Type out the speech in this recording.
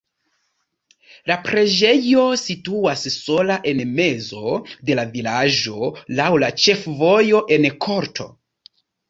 La preĝejo situas sola en mezo de la vilaĝo laŭ la ĉefvojo en korto.